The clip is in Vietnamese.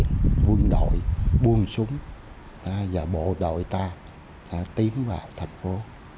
làm cho cái chế độ mười quyền quân đội buông súng và bộ đội ta tìm vào thành phố